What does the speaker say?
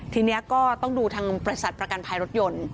ทีนี้ก็ต้องดูทางบริษัทประกันภัยรถยนต์